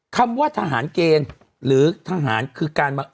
คำว่าทหารเกณฑ์หรือทหารคือการมา